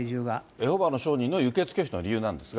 エホバの証人の輸血拒否の理由なんですが。